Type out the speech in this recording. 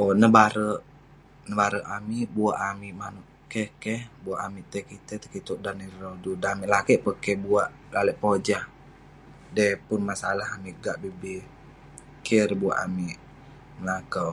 Owk, nebare- nebare amik. Buak amik manouk keh keh, buak amik tai kitei tai kitouk dan ireh rodu. Dan ireh lakeik peh keh. Buak lalek pojah, dei pun masalah amik gak bi bi. Keh ireh buak amik melakau.